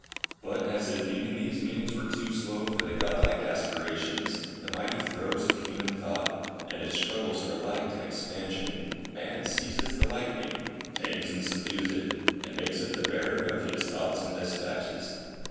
But, as if even these means were too slow for the God like aspirations, the mighty throes of human thought, and its struggles for light and expansion, man seizes the lightning, tames and subdues it, and makes it the bearer of his thoughts and despatches.